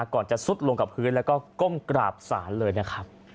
ก่อนจะซุดลงกับพื้นแล้วก็ก้มกราบศาลเลยนะครับ